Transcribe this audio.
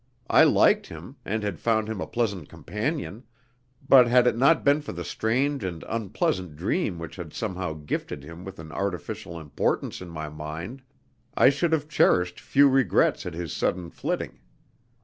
I liked him, and had found him a pleasant companion, but had it not been for the strange and unpleasant dream which had somehow gifted him with an artificial importance in my mind, I should have cherished few regrets at his sudden flitting.